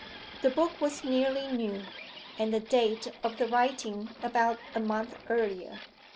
The book was nearly new, and the date of the writing about a month earlier.